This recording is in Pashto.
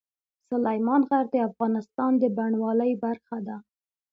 سلیمان غر د افغانستان د بڼوالۍ برخه ده.